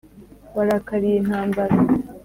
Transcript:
warakariye intambara